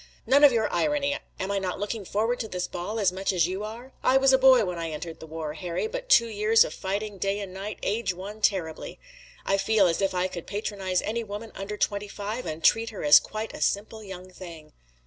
"None of your irony. Am I not looking forward to this ball as much as you are? I was a boy when I entered the war, Harry, but two years of fighting day and night age one terribly. I feel as if I could patronize any woman under twenty five, and treat her as quite a simple young thing."